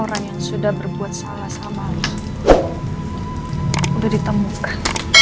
orang yang sudah berbuat salah sama kamu sudah ditemukan